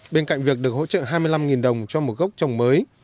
bên cạnh việc được hỗ trợ hai mươi năm đồng cho một gốc trồng mới